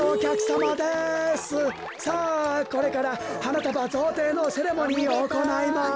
さあこれからはなたばぞうていのセレモニーをおこないます！